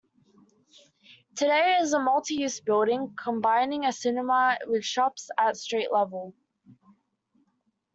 Today, it is a multi-use building combining a cinema with shops at street level.